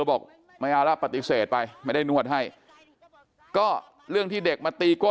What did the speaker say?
บอกไม่เอาละปฏิเสธไปไม่ได้นวดให้ก็เรื่องที่เด็กมาตีโก้